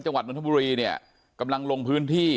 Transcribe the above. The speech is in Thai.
จังหวัดนทบุรีเนี่ยกำลังลงพื้นที่